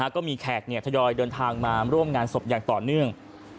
แขกทยอยเดินทางมาร่วมงานศพอย่างต่อเนื่อง